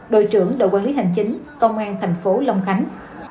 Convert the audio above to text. đội trưởng đội quản lý hành chính công an thành phố long khánh